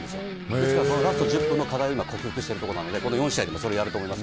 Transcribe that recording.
ですから、そのラスト１０分の課題を今、克服してるところなので、この４試合でもそれやると思います。